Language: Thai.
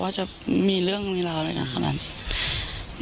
ว่าจะมีเรื่องมีราวอะไรอย่างนั้นค่ะ